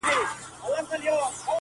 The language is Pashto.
څنګه به دي یاره هېرومه نور -